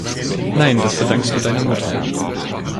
Nein, das verdankst du deiner Mutter.